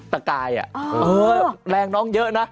สกิดยิ้ม